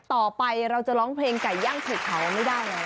ต่อไปเราจะร้องเพลงไก่ย่างสูตรเขาไม่ได้แล้ว